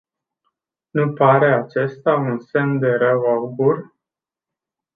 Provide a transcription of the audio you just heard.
Nu pare acesta un semn de rău augur?